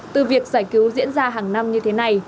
từ việc giải cứu diễn ra hàng năm như thế này